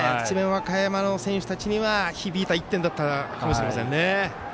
和歌山の選手たちには響いた１点だったかもしれませんね。